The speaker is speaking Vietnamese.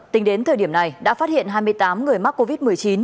tính đến thời điểm này đã phát hiện hai mươi tám người mắc covid một mươi chín